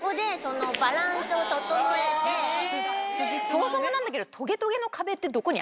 そもそもなんだけど。